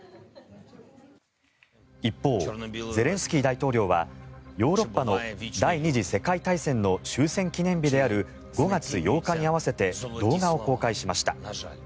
一方、ゼレンスキー大統領はヨーロッパの第２次世界大戦の終戦記念日である５月８日に合わせて動画を公開しました。